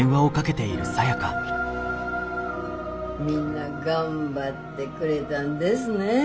みんな頑張ってくれたんですね。